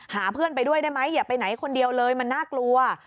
เพื่อนไปด้วยได้ไหมอย่าไปไหนคนเดียวเลยมันน่ากลัว